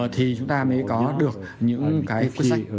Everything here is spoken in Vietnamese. thì chúng ta mới có được những cái quyết sách